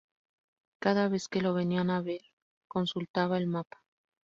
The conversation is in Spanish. Cada vez que lo venían a ver, consultaba el mapa.